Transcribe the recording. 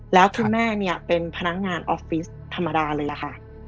แล้วคุณแม่เนี่ยเป็นพนักงานออฟฟิศธรรมดาเลยล่ะค่ะ